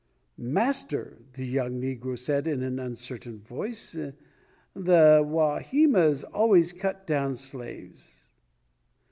"Master," the young negro said in an uncertain voice, "the Wahimas always cut down slaves.